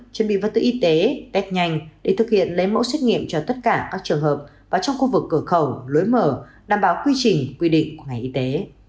chuẩn bị vật tư y tế test nhanh để thực hiện lấy mẫu xét nghiệm cho tất cả các trường hợp và trong khu vực cửa khẩu lối mở đảm bảo quy trình quy định của ngành y tế